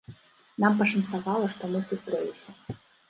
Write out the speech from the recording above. Нам пашанцавала, што мы сустрэліся.